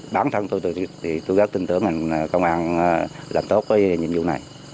bản thân tôi thì tôi rất tin tưởng ngành công an làm tốt cái nhiệm vụ này